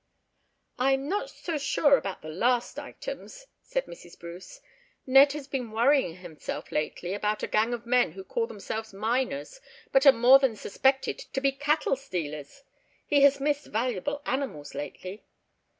"I am not so sure about the last items," said Mrs. Bruce. "Ned has been worrying himself lately about a gang of men who call themselves miners, but are more than suspected to be cattle stealers. He has missed valuable animals lately."